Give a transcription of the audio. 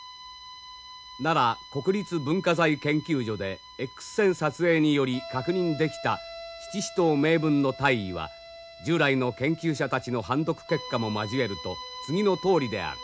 奈良国立文化財研究所でＸ線撮影により確認できた七支刀銘文の大意は従来の研究者たちの判読結果も交えると次のとおりである。